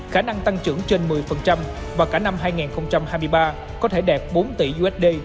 khả năng tăng trưởng trên một mươi và cả năm hai nghìn hai mươi ba có thể đạt bốn tỷ usd